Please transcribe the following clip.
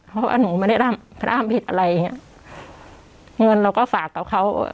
เพราะว่าหนูไม่ได้ร่ามผิดอะไรอย่างเงี้ยเงินเราก็ฝากต่อเขา